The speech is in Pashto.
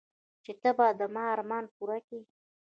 چې ته به د ما ارمان پوره كيې.